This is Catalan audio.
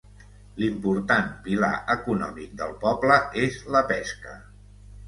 L'important pilar econòmic del poble és la pesca.